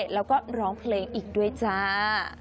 แล้วก็ร้องเพลงอีกด้วยจ้า